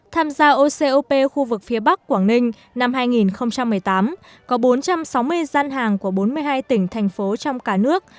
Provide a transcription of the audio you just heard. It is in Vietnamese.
tham gia ocop khu vực phía bắc quảng ninh năm hai nghìn một mươi tám có bốn trăm sáu mươi gian hàng của bốn mươi hai tỉnh thành phố trong cả nước